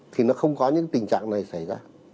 thì nó không có những tình trạng này xảy ra